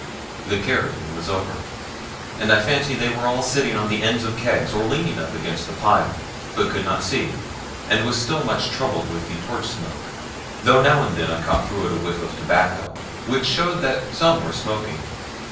The carrying was over, and I fancy they were all sitting on the ends of kegs or leaning up against the pile; but could not see, and was still much troubled with the torch smoke, though now and then I caught through it a whiff of tobacco, which showed that some were smoking.